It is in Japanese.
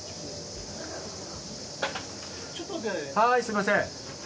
はいすみません。